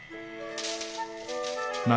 何？